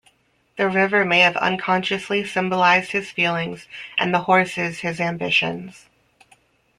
The river may have unconsciously symbolized his feelings and the horses his ambitions.